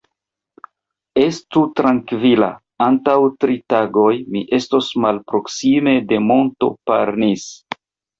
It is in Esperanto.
Estu trankvila, antaŭ tri tagoj mi estos malproksime de monto Parnis.